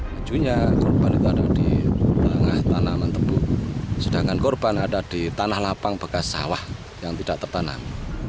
bajunya korban itu ada di tengah tanaman tebu sedangkan korban ada di tanah lapang bekas sawah yang tidak tertanam